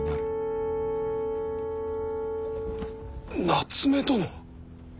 夏目殿。